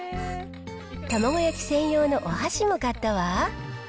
卵焼き専用のおはしも買ったわ。